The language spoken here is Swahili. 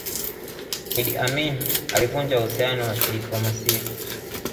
idi amini alivunja uhusiano wa kidiplomasia